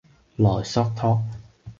萊索托